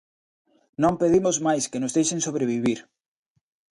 Non pedimos máis que nos deixen sobrevivir.